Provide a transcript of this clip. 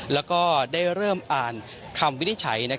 แล้วก็ได้เริ่มอ่านคำวินิจฉัย